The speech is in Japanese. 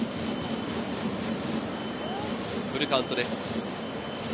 フルカウントです。